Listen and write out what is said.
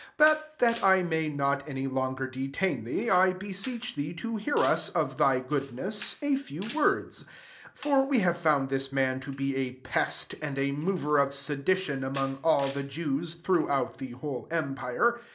4 But that 1 majr not any longer detain thec^ I beseech thee to hear us, of %if goodness, a few words. 5 Fa« we have found this man to hm a pest, and a mover of se«liti0iB^ among all the Jews, througfaent the whole empire